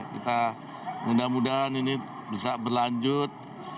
kita mudah mudahan ini bisa berlanjut